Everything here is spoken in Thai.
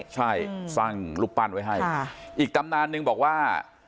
ใช่สร้างรูปปั้นไว้ให้อีกตำนานหนึ่งบอกว่า